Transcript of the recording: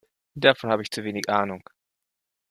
Davon habe ich zu wenige Ahnung.